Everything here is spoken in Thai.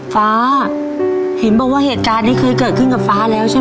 ฟ้าเห็นบอกว่าเหตุการณ์นี้เคยเกิดขึ้นกับฟ้าแล้วใช่ไหม